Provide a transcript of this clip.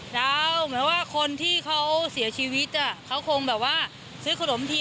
แล้วคนที่เขาเสียชีวิตคงซื้อขนมเทียน